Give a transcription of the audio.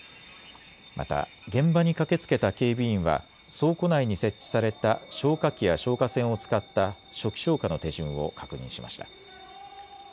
また現場に駆けつけた警備員は倉庫内に設置された消火器や消火栓を使った初期消火の手順を確認しました。